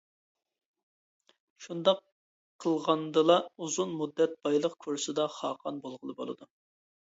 شۇنداق قىلغاندىلا ئۇزۇن مۇددەت بايلىق كۇرسىدا خاقان بولغىلى بولىدۇ.